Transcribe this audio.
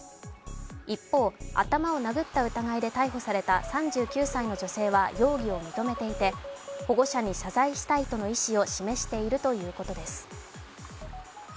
一方、頭を殴った疑いで逮捕された３９歳の女性は容疑を認めていて保護者に謝罪したいとの意思を示しているということです。